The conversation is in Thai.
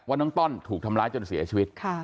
น้องต้อนถูกทำร้ายจนเสียชีวิต